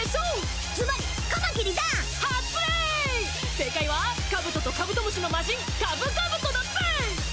正解はかぶととカブトムシのマジン「カブカブト」だぜーい！